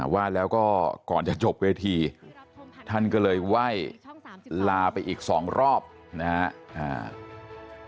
ว่าแล้วก็ก่อนจะจบเวทีท่านก็เลยไหว้ลาไปอีกสองรอบนะครับ